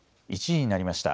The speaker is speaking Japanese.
１時になりました。